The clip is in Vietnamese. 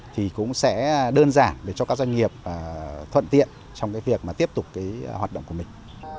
thì cũng sẽ đơn giản để cho các doanh nghiệp thuận tiện trong cái việc mà tiếp tục cái hoạt động của mình